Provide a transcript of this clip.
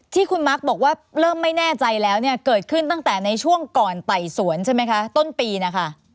ที่คุณมักบอกว่าเริ่มไม่แน่ใจแล้วเนี่ยเกิดขึ้นตั้งแต่ในช่วงก่อนไต่สวนใช่ไหมคะต้นปีนะคะ